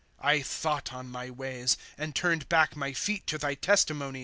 ^^ I thought on my ways, And turned back my feet to thy testimonies.